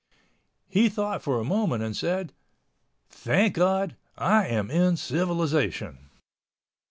He thought for a moment and said, "Thank God, I am in civilization."